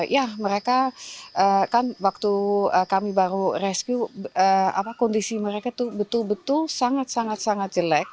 ya mereka kan waktu kami baru rescue kondisi mereka itu betul betul sangat sangat jelek